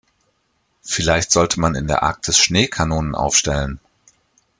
Vielleicht sollte man in der Arktis Schneekanonen aufstellen.